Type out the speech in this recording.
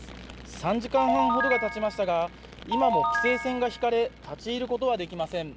３時間半ほどがたちましたが今も規制線が引かれ立ち入ることはできません。